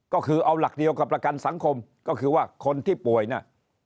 ก็คือเอาหลักเดียวกับประกันสังคมก็คือว่าคนที่ป่วยน่ะ